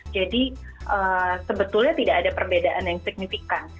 jadi sebetulnya tidak ada perbedaan yang signifikan